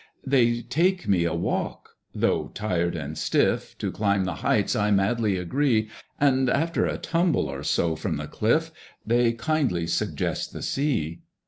They take me a walk: though tired and stiff, To climb the heights I madly agree; And, after a tumble or so from the cliff, They kindly suggest the Sea.